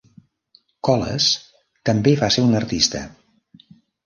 Coles també va ser un artista.